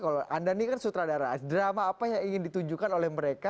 kalau anda ini kan sutradara drama apa yang ingin ditunjukkan oleh mereka